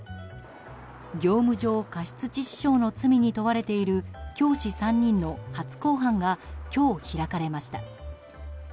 業務上過失致死傷の罪に問われている教師３人の初公判が今日開かれました。